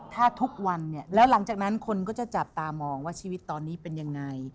ถ้าทุกวันเนี่ยแล้วหลังจากนั้นคนก็จะจับตามองว่าชีวิตตอนนี้เป็นยังไง